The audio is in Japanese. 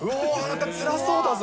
つらそうだぞ。